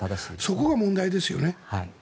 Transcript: そこが問題ですよね。